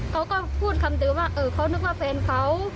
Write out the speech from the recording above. เขาก็พูดคำเดิมว่าเขานึกว่าแฟนเขา